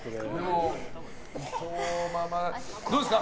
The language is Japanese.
どうですか？